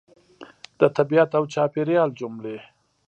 د طبیعت او چاپېریال جملې